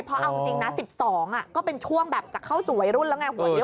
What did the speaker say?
เพราะเอาจริงนะ๑๒ก็เป็นช่วงแบบจะเข้าสู่วัยรุ่นแล้วไงหัวเยอะ